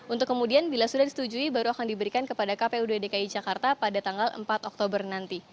untuk kemudian bila sudah disetujui baru akan diberikan kepada kpud dki jakarta pada tanggal empat oktober nanti